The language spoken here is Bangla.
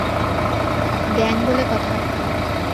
গ্যাং বলে কথা।